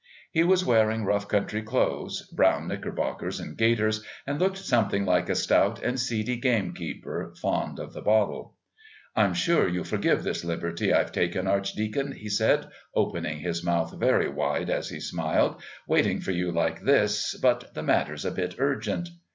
He was wearing rough country clothes, brown knickerbockers and gaiters, and looked something like a stout and seedy gamekeeper fond of the bottle. "I'm sure you'll forgive this liberty I've taken, Archdeacon," he said, opening his mouth very wide as he smiled "waiting for you like this; but the matter's a bit urgent."